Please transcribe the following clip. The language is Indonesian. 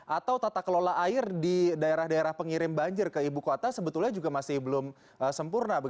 atau tata kelola air di daerah daerah pengirim banjir ke ibu kota sebetulnya juga masih belum sempurna